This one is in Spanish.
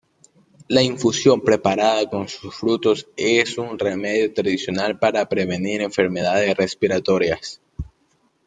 La infusión preparada con sus frutos es un remedio tradicional para prevenir enfermedades respiratorias.